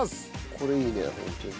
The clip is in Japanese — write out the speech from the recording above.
これいいねホントに。